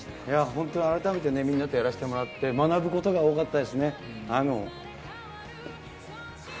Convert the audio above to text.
いやぁ、本当、改めてね、みんなとやらせてもらって、学ぶことが多かったですね。